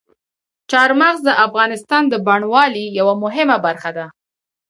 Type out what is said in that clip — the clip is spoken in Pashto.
چار مغز د افغانستان د بڼوالۍ یوه مهمه برخه ده.